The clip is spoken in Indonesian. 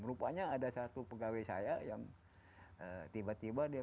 rupanya ada satu pegawai saya yang tiba tiba dia